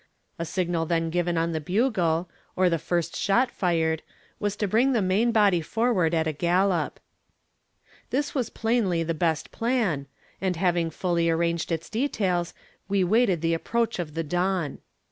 A signal then given on the bugle, or the first shot fired, was to bring the main body forward at a gallop. This was plainly the best plan, and having fully arranged its details, we waited the approach of the dawn.